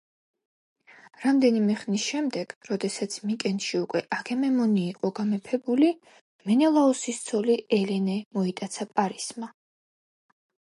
რამდენიმე ხნის შემდეგ, როდესაც მიკენში უკვე აგამემნონი იყო გამეფებული, მენელაოსის ცოლი ელენე მოიტაცა პარისმა.